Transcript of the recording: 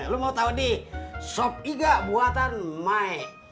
lu mau tau di sop iga buatan mai